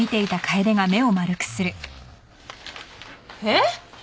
えっ！？